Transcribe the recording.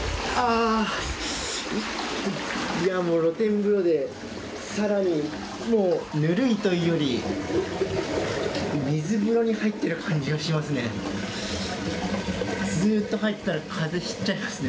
露天風呂でさらに、ぬるいというより水風呂に入っている感じがしますね。